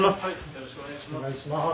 よろしくお願いします。